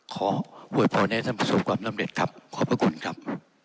ขออวยพรให้ท่านประสบความสำเร็จครับขอบพระคุณครับ